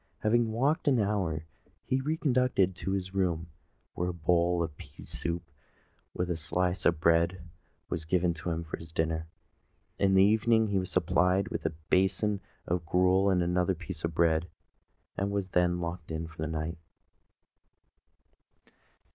Having walked an hour, he was re conducted to his room where a bowl of pease soup with a slice of bread was given to him for his dinner. In the evening he was supplied with a basin of gruel and another piece of bread, and was then locked in for the night.